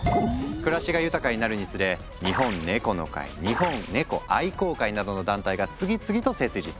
暮らしが豊かになるにつれ「日本ネコの会」「日本猫愛好会」などの団体が次々と設立。